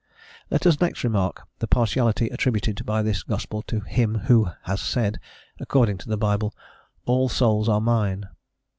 Let us next remark the partiality attributed by this gospel to Him Who has said according to the Bible "all souls are Mine."